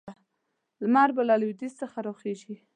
لمر به له لویدیځ څخه راخېژي.